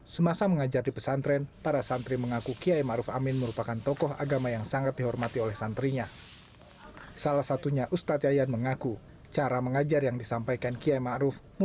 selain mendirikan pondok pesantren kiai ma'ruf amin juga mendirikan pendidikan perguruan tinggi berbasis islam